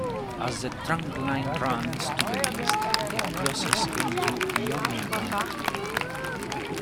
As the trunkline runs to the east, it crosses into Ionia County.